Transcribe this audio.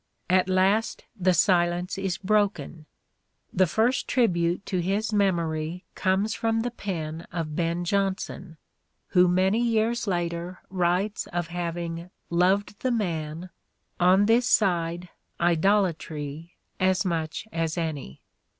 At last the silence is broken. The first tribute to his memory comes from the pen of Ben Jonson, who many years first tnbut« later writes of having " loved the man, on this side idolatry as much as any."